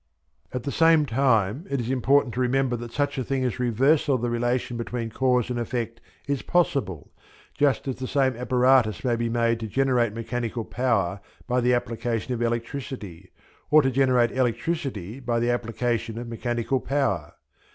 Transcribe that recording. At the same time it is important to remember that such a thing as reversal of the relation between cause and effect is possible, just as the same apparatus may be made to generate mechanical power by the application of electricity, or to generate electricity by the application of mechanical power.